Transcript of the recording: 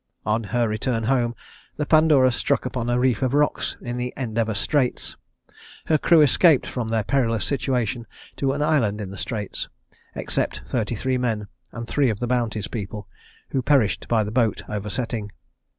On her return home, the Pandora struck upon a reef of rocks in Endeavour Straits. Her crew escaped from their perilous situation to an island in the Straits, except thirty three men, and three of the Bounty's people, who perished by the boat oversetting.